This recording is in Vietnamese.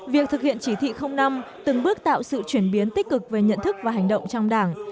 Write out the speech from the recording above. việc thực hiện chỉ thị năm từng bước tạo sự chuyển biến tích cực về nhận thức và hành động trong đảng